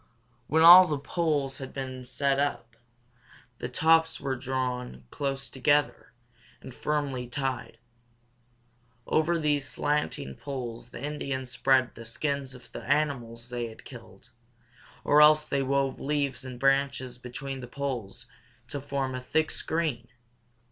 When all the poles had been set up, the tops were drawn close together and firmly tied. Over these slanting poles the Indians spread the skins of the animals they had killed, or else they wove leaves and branches between the poles to form a thick screen.